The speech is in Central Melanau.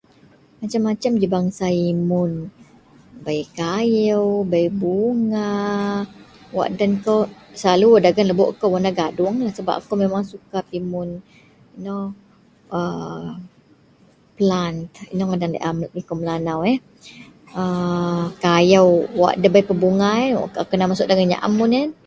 Masem-masem ji bangsa imun bei kayou bei bunga wak den kou selalu wak dagen lebok kou warna gadung lah sebab memeng akou suka pimun a plant ino ngadan laei liko Melanau a kayou wak debei pebunga kaau masuok dagen nyaam un iyen.